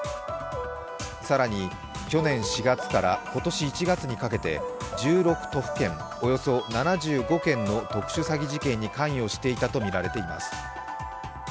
更に、去年４月から今年１月にかけて１６都府県およそ７５件の特殊詐欺事件に関与していたとみられています。